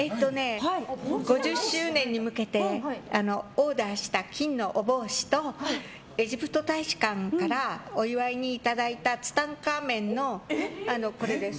５０周年に向けてオーダーした金のお帽子とエジプト大使館からお祝いにいただいたツタンカーメンのこれです。